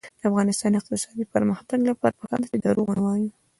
د افغانستان د اقتصادي پرمختګ لپاره پکار ده چې دروغ ونه وایو.